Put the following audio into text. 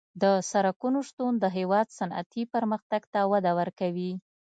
د سرکونو شتون د هېواد صنعتي پرمختګ ته وده ورکوي